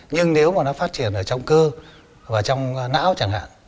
nhưng nếu mà nó phát triển ở trọng cơ và trong não chẳng hạn